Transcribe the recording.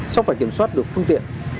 sau phải kiểm soát được phương tiện